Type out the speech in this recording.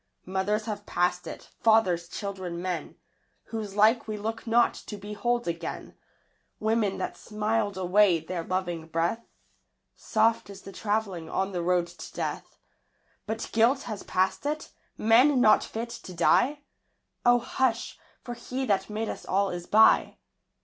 Mothers have passed it: fathers, children; men Whose like we look not to behold again; Women that smiled away their loving breath; Soft is the travelling on the road to death! But guilt has passed it? men not fit to die? O, hush for He that made us all is by!